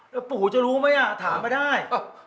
แล้วปูจะรู้มั้ยอะถามมาได้